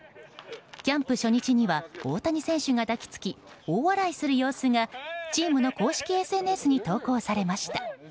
キャンプ初日には大谷選手が抱き付き大笑いする様子が、チームの公式ＳＮＳに投稿されました。